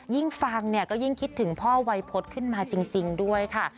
ยิ่งฟังเนี่ยก็ยิ่งคิดถึงพ่อวัยพฤษขึ้นมาจริงด้วยค่ะ